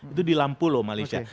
itu di lompolo malaysia